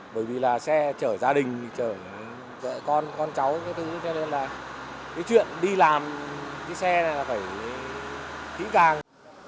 bởi vì là xe chở gia đình chở con con cháu cái thứ cho nên là cái chuyện đi làm cái xe này là phải khí càng